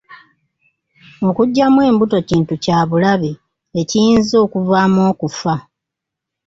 Okuggyamu embuto kintu kya bulabe, ekiyinza n'okuvaamu okufa.